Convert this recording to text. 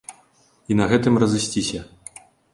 І на гэтым разысціся.